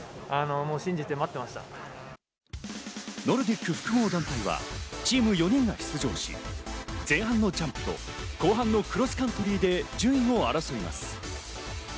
ノルディック複合団体はチーム４人が出場し、前半のジャンプと後半のクロスカントリーで順位を争います。